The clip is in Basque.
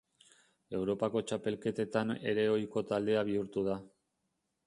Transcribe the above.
Europako txapelketetan ere ohiko taldea bihurtu da.